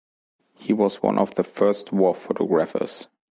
He was one of the first war photographers.